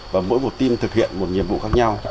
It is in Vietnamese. và mỗi một team thực hiện một nhiệm vụ khác nhau